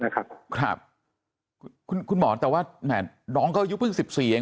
ครับคุณหมอแต่ว่าน้องก็อายุเพิ่ง๑๔เอง